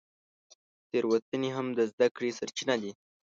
تېروتنې هم د زده کړې سرچینه دي.